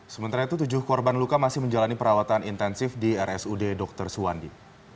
sementara itu tujuh korban luka masih menjalani perawatan intensif di rsud dr suwandi